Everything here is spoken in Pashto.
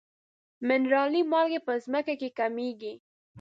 منرالي مالګې په ځمکه کې کمیږي.